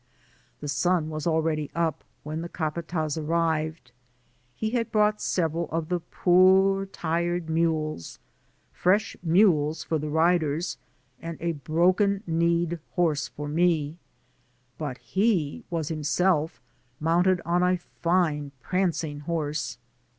The sun was already up, when the capatdz arrived. He had brought several of the poor tired mules, fresh ones for the riders, and a broken kneed horse for me; but he was himself mounted on a fine prancing horse.